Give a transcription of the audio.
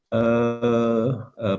pemilihan melalui dprd itu